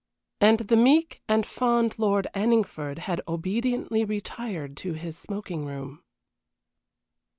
And the meek and fond Lord Anningford had obediently retired to his smoking room.